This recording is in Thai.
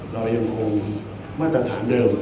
เรายังคงมาตรฐานเดิม